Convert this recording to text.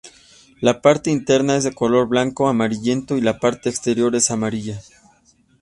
La parte interna es de color blanco amarillento y la parte exterior es amarilla.